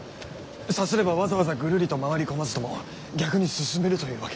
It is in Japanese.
さすればわざわざぐるりと回り込まずとも逆に進めるというわけですね。